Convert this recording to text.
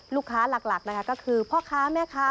ลูกค้าหลักนะคะก็คือพ่อค้าแม่ค้า